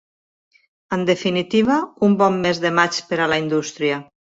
En definitiva, un bon mes de maig per a la indústria.